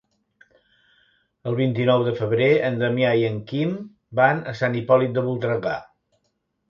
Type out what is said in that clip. El vint-i-nou de febrer en Damià i en Quim van a Sant Hipòlit de Voltregà.